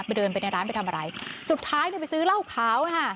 เดินไปในร้านไปทำอะไรสุดท้ายเนี่ยไปซื้อเหล้าขาวนะคะ